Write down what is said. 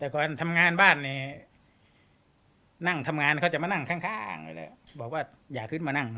ขอยืมตั้งหน่อย๒๐๐๐บาท